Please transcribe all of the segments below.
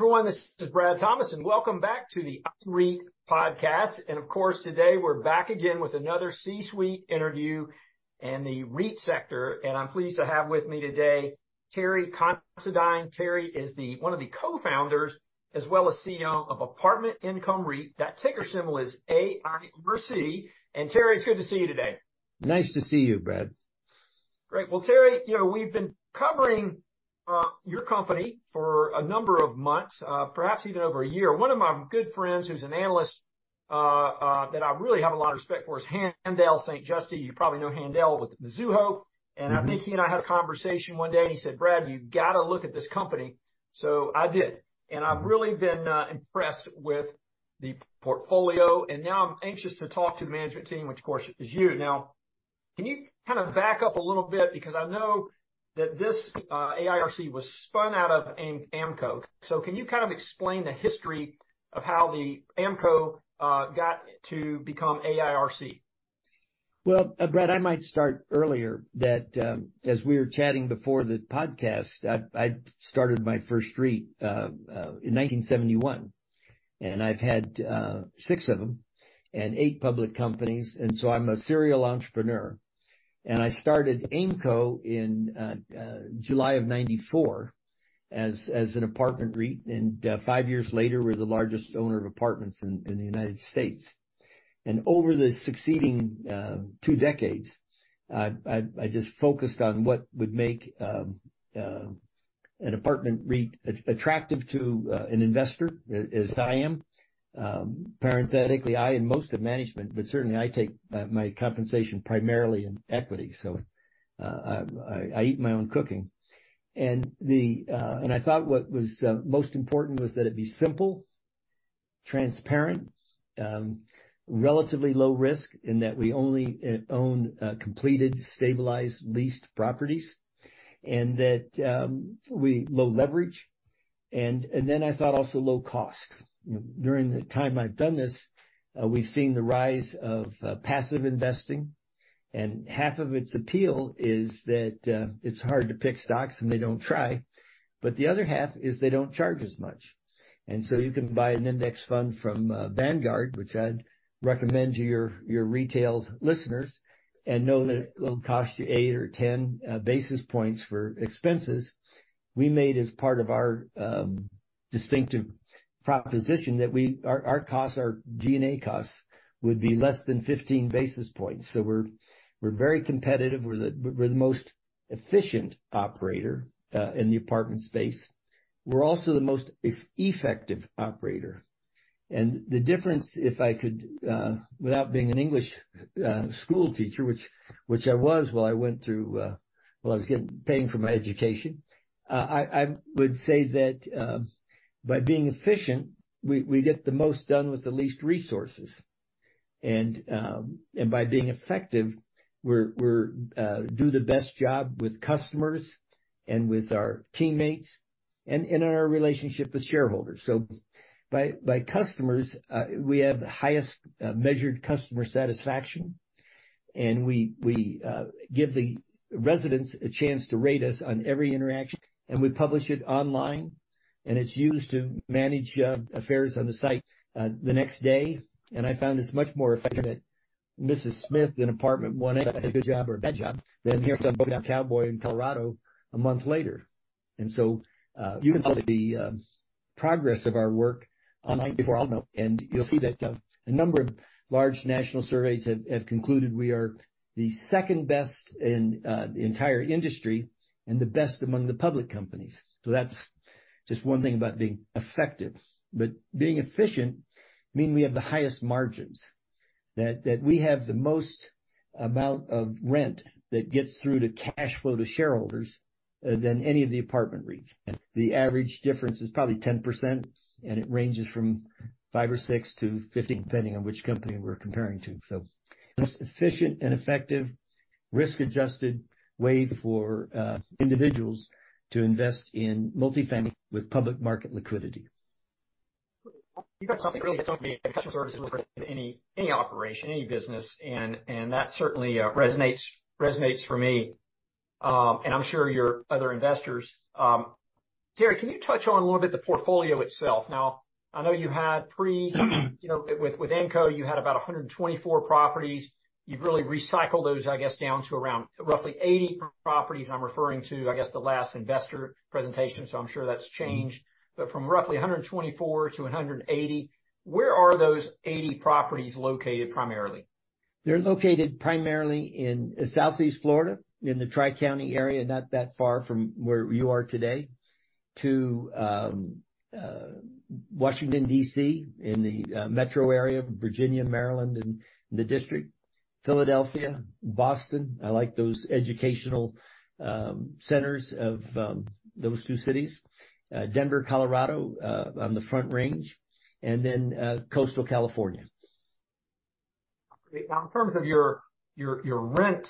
Everyone, this is Brad Thomas, welcome back to the iREIT Podcast. Of course, today we're back again with another C-suite interview in the REIT sector. I'm pleased to have with me today Terry Considine. Terry is one of the co-founders as well as CEO of Apartment Income REIT. That ticker symbol is AIRC. Terry, it's good to see you today. Nice to see you, Brad. Great. Well, Terry, you know, we've been covering your company for a number of months, perhaps even over a year. One of my good friends, who's an analyst, that I really have a lot of respect for, is Haendel St. Juste. You probably know Haendel with Mizuho. Mm-hmm. I think he and I had a conversation one day, he said, "Brad, you gotta look at this company." I did, and I've really been impressed with the portfolio. Now I'm anxious to talk to the management team, which of course is you. Now, can you kind of back up a little bit? I know that this AIRC was spun out of Aimco. Can you kind of explain the history of how the Aimco got to become AIRC? Well, Brad, I might start earlier that as we were chatting before the podcast, I started my first REIT in 1971. I've had six of them and eight public companies. I'm a serial entrepreneur. I started AIMCO in July of 1994 as an apartment REIT, and five years later, we're the largest owner of apartments in the United States. Over the succeeding two decades, I just focused on what would make an apartment REIT attractive to an investor as I am. Parenthetically, I and most of management, but certainly I take my compensation primarily in equity, so I eat my own cooking. I thought what was most important was that it be simple, transparent, relatively low risk, in that we only own completed, stabilized, leased properties, and that we low leverage. Then I thought also low cost. During the time I've done this, we've seen the rise of passive investing, and half of its appeal is that it's hard to pick stocks, and they don't try. The other half is they don't charge as much. You can buy an index fund from Vanguard, which I'd recommend to your retail listeners, and know that it'll cost you 8 or 10 basis points for expenses. We made as part of our distinctive proposition that our costs, our G&A costs would be less than 15 basis points. We're very competitive. We're the most efficient operator in the apartment space. We're also the most effective operator. The difference, if I could, without being an English school teacher, which I was while I went through, while I was paying for my education, I would say that by being efficient, we get the most done with the least resources. By being effective, we're do the best job with customers and with our teammates and in our relationship with shareholders. By customers, we have the highest measured customer satisfaction, and we give the residents a chance to rate us on every interaction, and we publish it online. It's used to manage affairs on the site the next day. I found it's much more effective that Mrs. Smith in Apartment 1A had a good job or a bad job than hear it from a cowboy in Colorado a month later. You can tell the progress of our work online before I'll know. You'll see that a number of large national surveys have concluded we are the second-best in the entire industry and the best among the public companies. That's just one thing about being effective. Being efficient mean we have the highest margins, that we have the most amount of rent that gets through to cash flow to shareholders than any of the apartment REITs. The average difference is probably 10%, and it ranges from five or 6-15, depending on which company we're comparing to. The most efficient and effective risk-adjusted way for individuals to invest in multifamily with public market liquidity. You've got something really They're located primarily in Southeast Florida, in the tri-county area, not that far from where you are today, to Washington, D.C., in the metro area, Virginia, Maryland, and the District. Philadelphia, Boston, I like those educational centers of those two cities. Denver, Colorado, on the Front Range, and then Coastal California. Great. Now, in terms of your rent,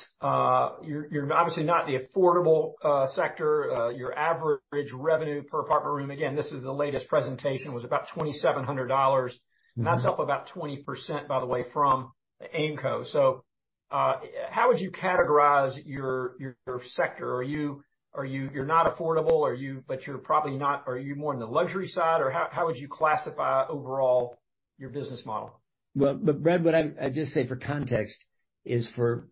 you're obviously not the affordable sector. Your average revenue per apartment room, again, this is the latest presentation, was about $2,700. Mm-hmm. That's up about 20%, by the way, from Aimco. How would you categorize your sector? You're not affordable, are you? You're probably not. Are you more on the luxury side, or how would you classify overall your business model? Brad, what I just say for context is for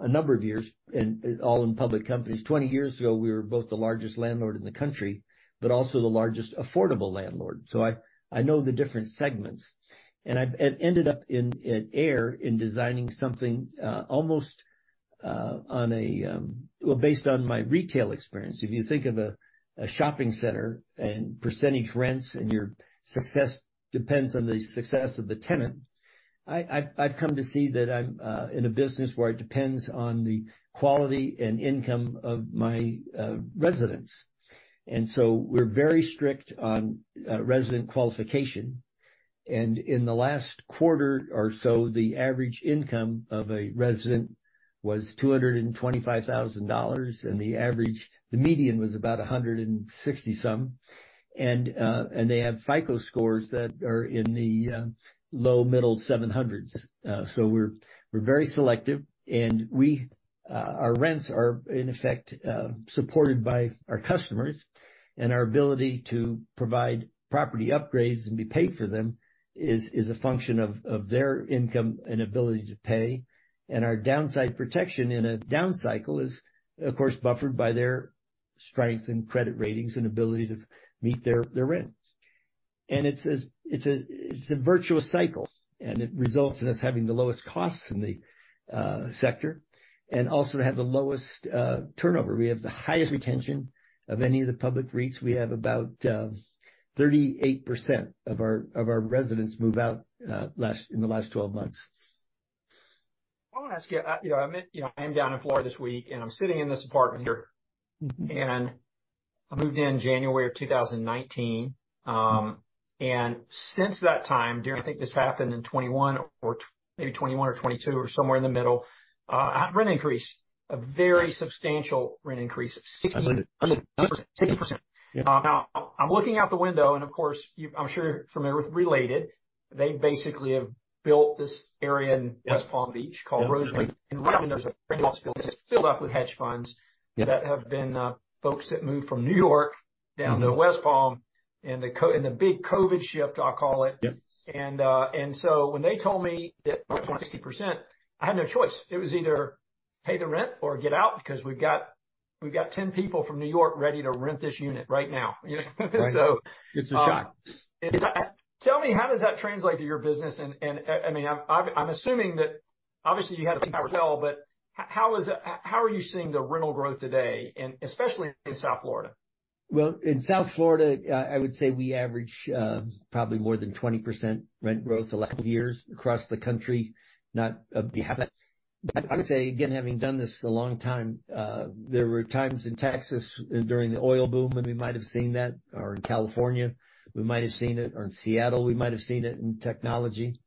a number of years and all in public companies, 20 years ago, we were both the largest landlord in the country, but also the largest affordable landlord. I know the different segments. I've ended up in AIR in designing something, almost on a. Well, based on my retail experience, if you think of a shopping center and percentage rents and your success depends on the success of the tenant. I've, I've come to see that I'm in a business where it depends on the quality and income of my residents. We're very strict on resident qualification. In the last quarter or so, the average income of a resident was $225,000, and the median was about $160 some. They have FICO scores that are in the low middle 700s. So we're very selective, and our rents are in effect supported by our customers. Our ability to provide property upgrades and be paid for them is a function of their income and ability to pay. Our downside protection in a down cycle is, of course, buffered by their strength and credit ratings and ability to meet their rent. It's a virtuous cycle, and it results in us having the lowest costs in the sector. Also to have the lowest turnover. We have the highest retention of any of the public REITs. We have about 38% of our residents move out, in the last 12 months. I want to ask you. you know, I'm in, you know, I am down in Florida this week, and I'm sitting in this apartment here. Mm-hmm. I moved in January of 2019. Since that time, during, I think this happened in 2021 or maybe 2021 or 2022 or somewhere in the middle, rent increase, a very substantial rent increase of sixty-. 100% 60%. Yeah. Now, I'm looking out the window and of course, I'm sure you're familiar with Related. They basically have built this area. Yeah. West Palm Beach called Rosemary. Yeah. There's a rental that's filled up with hedge funds. Yeah. that have been, folks that moved from New York down to West Palm in the big COVID shift, I'll call it. Yeah. When they told me that it was 60%, I had no choice. It was either pay the rent or get out because we've got 10 people from New York ready to rent this unit right now, you know? Right. It's a shock. Tell me, how does that translate to your business? I mean, I'm assuming that obviously you have to sell, but how are you seeing the rental growth today, and especially in South Florida? Well, in South Florida, I would say we average probably more than 20% rent growth the last few years across the country, we have that. I would say, again, having done this a long time, there were times in Texas during the oil boom when we might have seen that, or in California, we might have seen it, or in Seattle, we might have seen it in technology.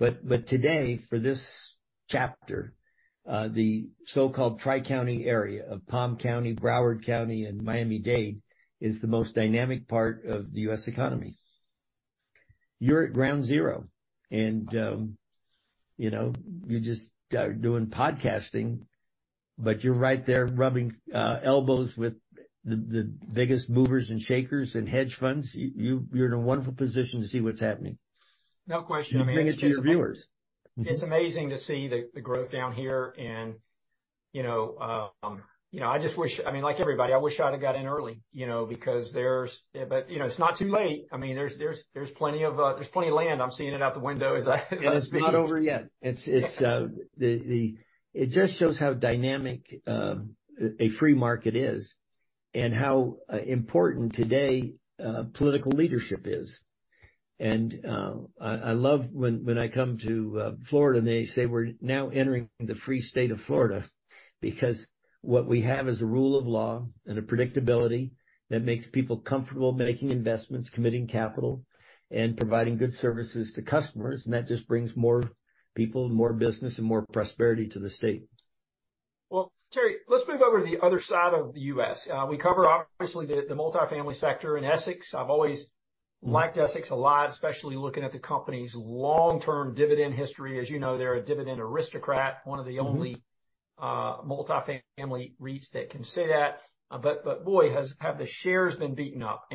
Today, for this chapter, the so-called Tri-County area of Palm County, Broward County, and Miami-Dade is the most dynamic part of the U.S. economy. You're at ground zero. You know, you're just doing podcasting, but you're right there rubbing elbows with the biggest movers and shakers and hedge funds. You're in a wonderful position to see what's happening. No question. I mean. You bring it to your viewers. Mm-hmm. It's amazing to see the growth down here and, you know, I just wish, I mean, like everybody, I wish I'd have got in early, you know, because there's... You know, it's not too late. I mean, there's plenty of, there's plenty of land. I'm seeing it out the window as I speak. It's not over yet. It just shows how dynamic a free market is and how important today political leadership is. I love when I come to Florida, and they say we're now entering the free state of Florida because what we have is a rule of law and a predictability that makes people comfortable making investments, committing capital, and providing good services to customers. That just brings more people, more business, and more prosperity to the state. Well, Terry, let's move over to the other side of the U.S. We cover obviously the multifamily sector in Essex. I've always liked Essex a lot, especially looking at the company's long-term dividend history. As you know, they're a Dividend Aristocrat, one of the only- Mm-hmm. Multifamily REITs that can say that. Boy, have the shares been beaten up.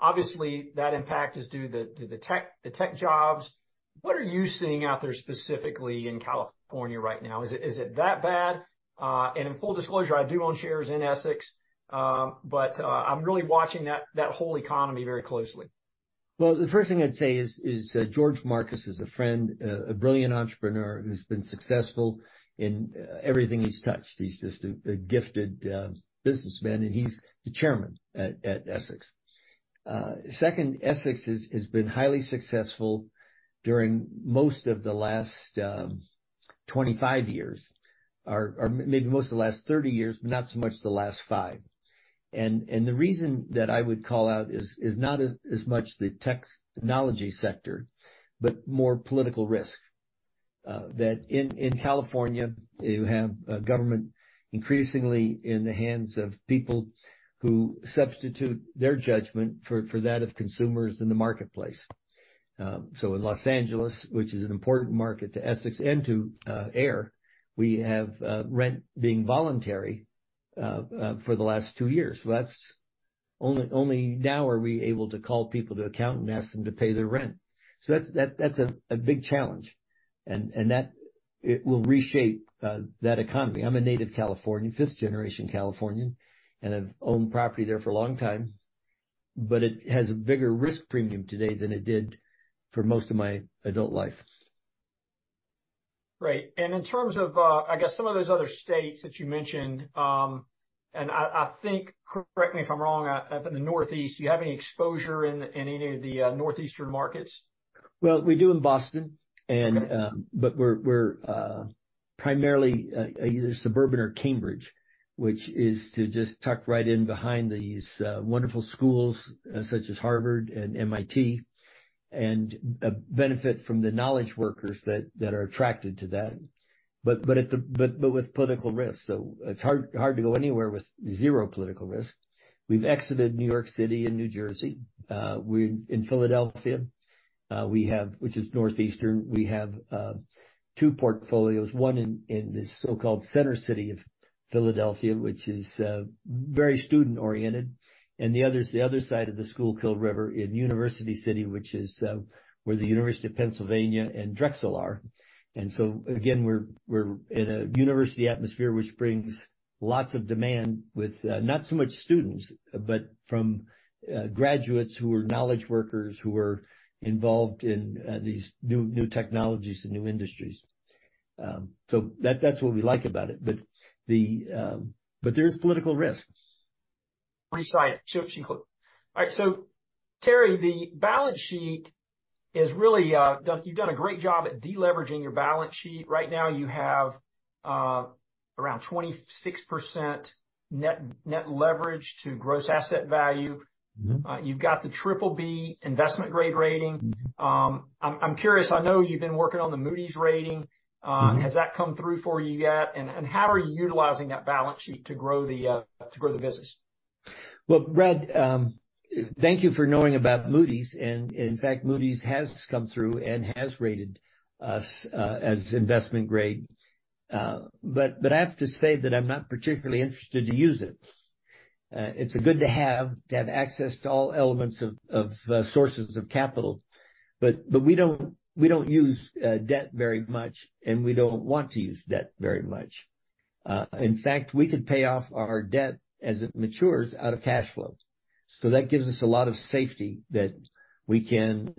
Obviously, that impact is due to the tech jobs. What are you seeing out there specifically in California right now? Is it that bad? In full disclosure, I do own shares in Essex, but I'm really watching that whole economy very closely. The first thing I'd say is George Marcus is a friend, a brilliant entrepreneur who's been successful in everything he's touched. He's just a gifted businessman, he's the chairman at Essex. Second, Essex has been highly successful during most of the last 25 years, or maybe most of the last 30 years, not so much the last five. The reason that I would call out is not as much the technology sector, more political risk. That in California, you have a government increasingly in the hands of people who substitute their judgment for that of consumers in the marketplace. In Los Angeles, which is an important market to Essex and to AIR, we have rent being voluntary for the last two years. Well, that's only now are we able to call people to account and ask them to pay their rent. That's a big challenge. It will reshape that economy. I'm a native Californian, fifth generation Californian, and I've owned property there for a long time, but it has a bigger risk premium today than it did for most of my adult life. Right. In terms of, I guess some of those other states that you mentioned, and I think, correct me if I'm wrong, up in the Northeast, do you have any exposure in any of the Northeastern markets? Well, we do in Boston. But we're primarily either suburban or Cambridge, which is to just tuck right in behind these wonderful schools such as Harvard and MIT, and benefit from the knowledge workers that are attracted to that. With political risk. It's hard to go anywhere with zero political risk. We've exited New York City and New Jersey. In Philadelphia, we have, which is northeastern, we have two portfolios, one in this so-called Center City of Philadelphia, which is very student-oriented, and the other is the other side of the Schuylkill River in University City, which is where the University of Pennsylvania and Drexel are. Again, we're in a university atmosphere which brings lots of demand with not so much students, but from graduates who are knowledge workers, who are involved in these new technologies and new industries. That's what we like about it. There's political risks. Appreciate it. All right. Terry, the balance sheet is really You've done a great job at de-leveraging your balance sheet. Right now you have around 26% net leverage to gross asset value. Mm-hmm. You've got the Triple B investment grade rating. Mm-hmm. I'm curious, I know you've been working on the Moody's rating. Mm-hmm. Has that come through for you yet? How are you utilizing that balance sheet to grow the, to grow the business? Well, Brad, thank you for knowing about Moody's. In fact, Moody's has come through and has rated us as investment grade. I have to say that I'm not particularly interested to use it. It's good to have, to have access to all elements of, sources of capital. We don't, we don't use debt very much, and we don't want to use debt very much. In fact, we could pay off our debt as it matures out of cash flow. That gives us a lot of safety that we can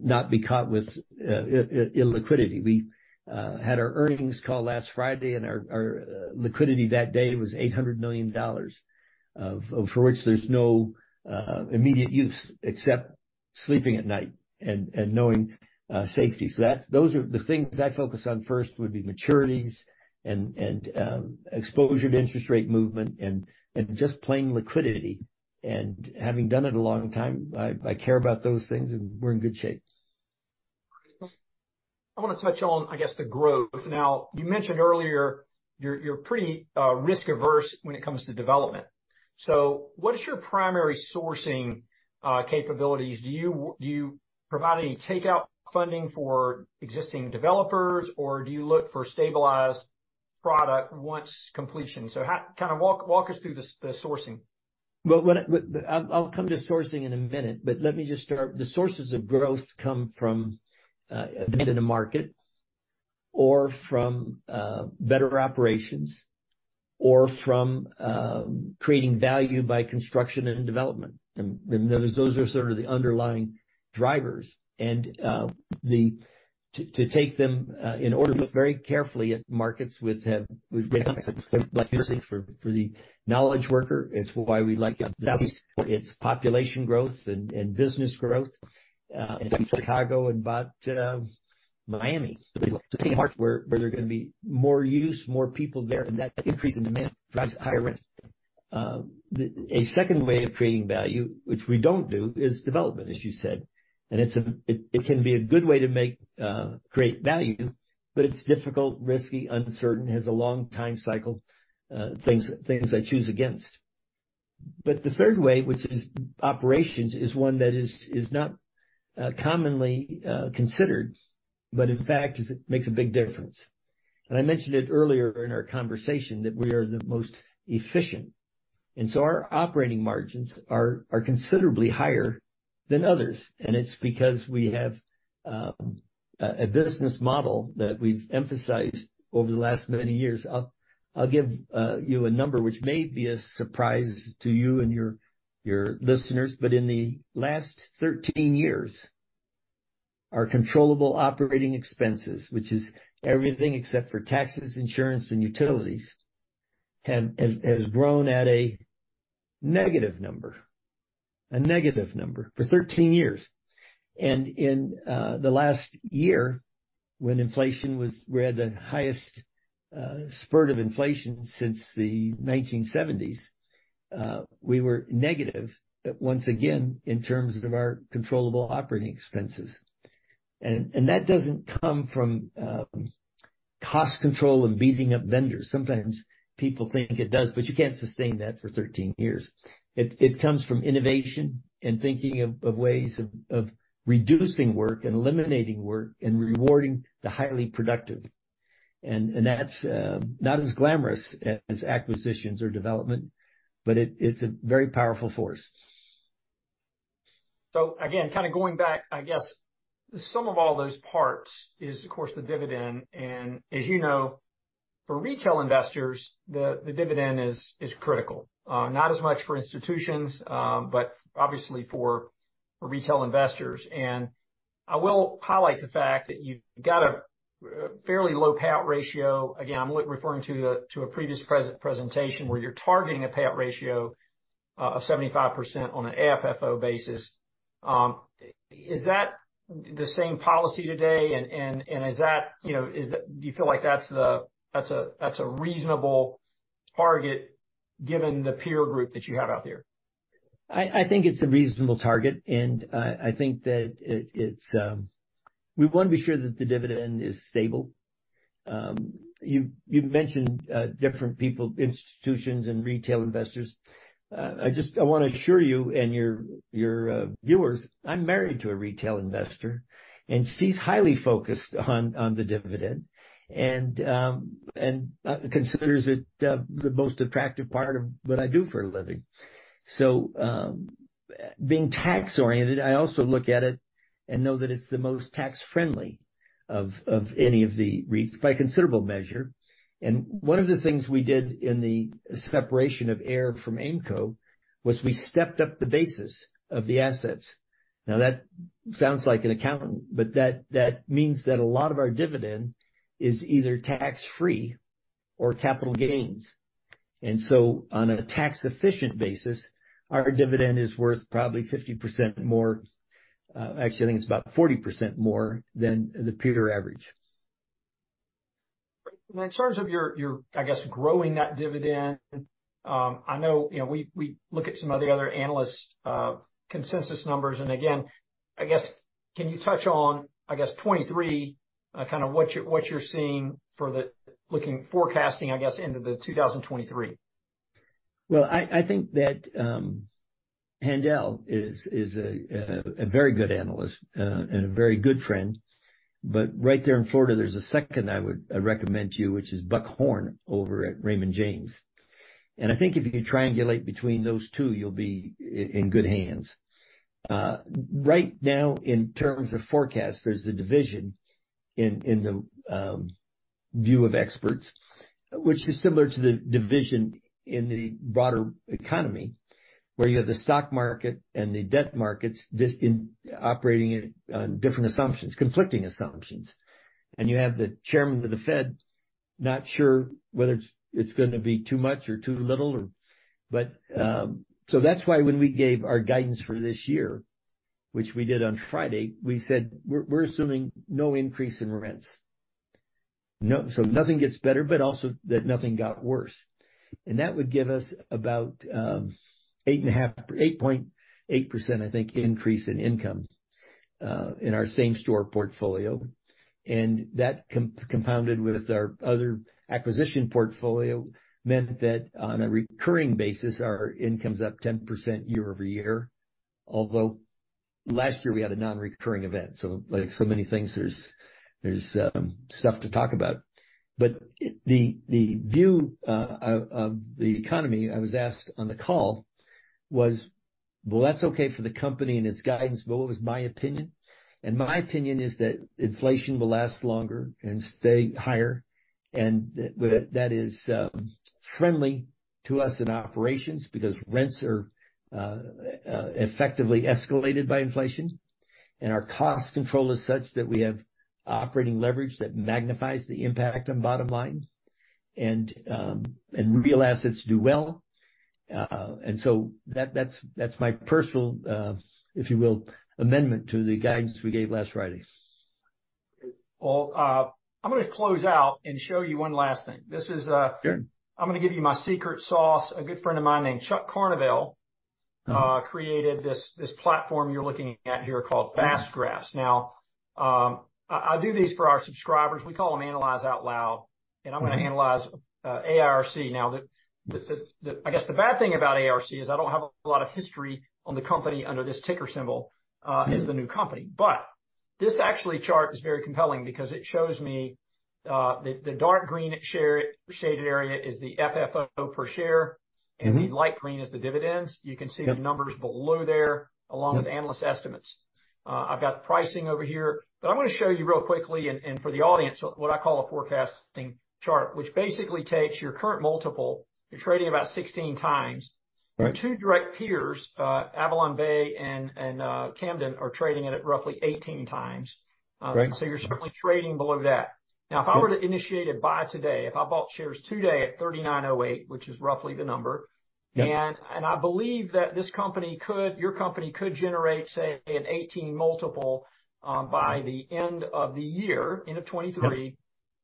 not be caught with illiquidity. We had our earnings call last Friday and our liquidity that day was $800 million for which there's no immediate use except sleeping at night and knowing safety. Those are the things I focus on first would be maturities and exposure to interest rate movement and just plain liquidity. Having done it a long time, I care about those things, and we're in good shape. I wanna touch on, I guess, the growth. You mentioned earlier you're pretty risk-averse when it comes to development. What is your primary sourcing capabilities? Do you provide any takeout funding for existing developers, or do you look for stabilized product once completion? Kinda walk us through the sourcing. Well, I'll come to sourcing in a minute, but let me just start. The sources of growth come from being in a market or from better operations or from creating value by construction and development. Those are sort of the underlying drivers. To take them in order, look very carefully at markets with great universities for the knowledge worker. It's why we like the East Coast. It's population growth and business growth in Chicago and Miami. It's markets where there are gonna be more use, more people there, and that increase in demand drives higher rents. A second way of creating value, which we don't do, is development, as you said. It can be a good way to make, create value, but it's difficult, risky, uncertain, has a long time cycle, things I choose against. The third way, which is operations, is one that is not commonly considered, but in fact, is it makes a big difference. I mentioned it earlier in our conversation that we are the most efficient, and so our operating margins are considerably higher than others. It's because we have a business model that we've emphasized over the last many years. I'll give you a number which may be a surprise to you and your listeners, but in the last 13 years, our controllable operating expenses, which is everything except for taxes, insurance, and utilities, has grown at a negative number, a negative number for 13 years. In the last year, when inflation was, we had the highest spurt of inflation since the 1970s, we were negative once again in terms of our controllable operating expenses. That doesn't come from cost control and beating up vendors. Sometimes people think it does, but you can't sustain that for 13 years. It comes from innovation and thinking of ways of reducing work and eliminating work and rewarding the highly productive. That's not as glamorous as acquisitions or development, but it's a very powerful force. Again, kind of going back, I guess, the sum of all those parts is, of course, the dividend. As you know, for retail investors, the dividend is critical. Not as much for institutions, but obviously for retail investors. I will highlight the fact that you've got a fairly low payout ratio. Again, I'm referring to a previous presentation where you're targeting a payout ratio of 75% on an AFFO basis. Is that the same policy today and is that, you know, do you feel like that's a reasonable target given the peer group that you have out there? I think it's a reasonable target, and I think that it's. We wanna be sure that the dividend is stable. You mentioned different people, institutions and retail investors. I wanna assure you and your viewers, I'm married to a retail investor, and she's highly focused on the dividend and considers it the most attractive part of what I do for a living. Being tax-oriented, I also look at it and know that it's the most tax friendly of any of the REITs by a considerable measure. One of the things we did in the separation of AIR from Aimco was we stepped up the basis of the assets. That sounds like an accountant, but that means that a lot of our dividend is either tax-free or capital gains. On a tax efficient basis, our dividend is worth probably 50% more, actually I think it's about 40% more than the peer average. In terms of your, I guess, growing that dividend, I know, you know, we look at some of the other analysts', consensus numbers. Again, I guess can you touch on, I guess, 2023, kind of what you're seeing forecasting, I guess, into 2023? Well, I think that Haendel is a very good analyst and a very good friend. Right there in Florida, there's a second I recommend to you, which is Buck Horne over at Raymond James. I think if you triangulate between those two, you'll be in good hands. Right now, in terms of forecast, there's a division in the view of experts, which is similar to the division in the broader economy, where you have the stock market and the debt markets just operating on different assumptions, conflicting assumptions. You have the chairman of the Fed, not sure whether it's gonna be too much or too little or... So that's why when we gave our guidance for this year, which we did on Friday, we said we're assuming no increase in rents. Nothing gets better, but also that nothing got worse. That would give us about 8.8%, I think, increase in income in our same store portfolio. That compounded with our other acquisition portfolio meant that on a recurring basis, our income's up 10% year-over-year. Although last year we had a non-recurring event. Like so many things, there's stuff to talk about. The view of the economy, I was asked on the call was, well, that's okay for the company and its guidance, but what was my opinion? My opinion is that inflation will last longer and stay higher, and that is friendly to us in operations because rents are effectively escalated by inflation, and our cost control is such that we have operating leverage that magnifies the impact on bottom lines and real assets do well. So that's, that's my personal, if you will, amendment to the guidance we gave last Friday. Well, I'm gonna close out and show you one last thing. This is. Sure. I'm gonna give you my secret sauce. A good friend of mine named Chuck Carnevale created this platform you're looking at here called FAST Graphs. I do these for our subscribers. We call them Analyze Out Loud, and I'm gonna analyze AIRC. The bad thing about AIRC is I don't have a lot of history on the company under this ticker symbol as the new company. This actually chart is very compelling because it shows me the dark green shaded area is the FFO per share, and the light green is the dividends. You can see the numbers below there along with analyst estimates. I've got pricing over here, I'm gonna show you real quickly and for the audience what I call a forecasting chart, which basically takes your current multiple. You're trading about 16x. Right. Your two direct peers, AvalonBay and Camden are trading at roughly 18 times. You're certainly trading below that. Now, if I were to initiate a buy today, if I bought shares today at $39.08, which is roughly the number, I believe that this company could, your company could generate, say, an 18 multiple, by the end of the year, end of 2023.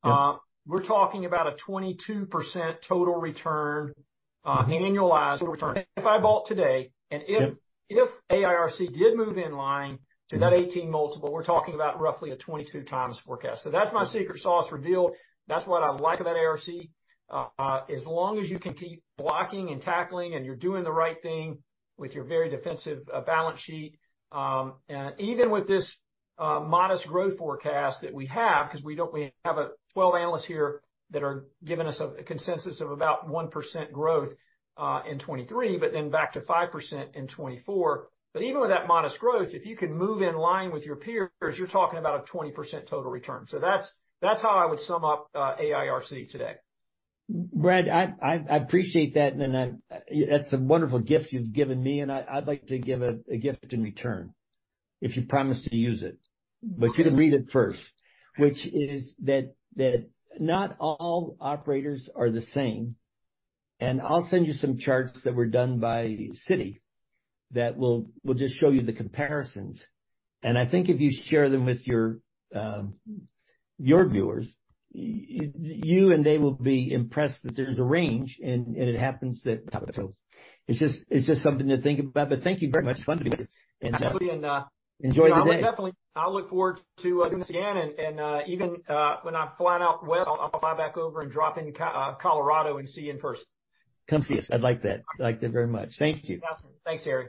Yeah. We're talking about a 22% total return, annualized return. If I bought today and if AIRC did move in line to that 18 multiple, we're talking about roughly a 22x forecast. That's my secret sauce revealed. That's what I like about AIRC. As long as you can keep blocking and tackling and you're doing the right thing with your very defensive balance sheet, even with this modest growth forecast that we have, 'cause we have a 12 analysts here that are giving us a consensus of about 1% growth in 2023, but then back to 5% in 2024. Even with that modest growth, if you can move in line with your peers, you're talking about a 20% total return. That's how I would sum up AIRC today. Brad, I appreciate that. That's a wonderful gift you've given me, and I'd like to give a gift in return if you promise to use it. You gotta read it first, which is that not all operators are the same. I'll send you some charts that were done by Citi that will just show you the comparisons. I think if you share them with your viewers, you and they will be impressed that there's a range and it happens that It's just something to think about. Thank you very much. It's fun to be with you. Enjoy the day. Absolutely. I'll look forward to doing this again. Even when I'm flying out west, I'll fly back over and drop into Colorado and see you in person. Come see us. I'd like that. I'd like that very much. Thank you. Awesome. Thanks, Terry.